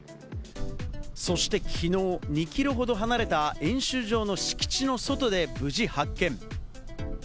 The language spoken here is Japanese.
そしてきのう、２キロほど離れた演習場の敷地の外で無事発見。